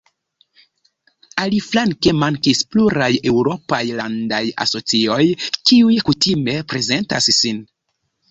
Aliflanke mankis pluraj eŭropaj landaj asocioj, kiuj kutime prezentas sin.